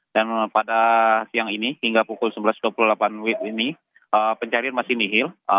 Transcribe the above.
dan pada siang ini hingga pukul sembilan belas dua puluh delapan ini pencarian masih nihil